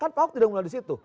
kan pak ok tidak pernah di situ